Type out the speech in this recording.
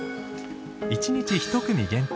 １日１組限定